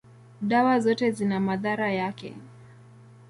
dawa zote zina madhara yake.